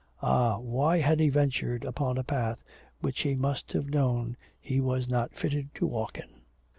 Ah, why had he ventured upon a path which he must have known he was not fitted to walk in?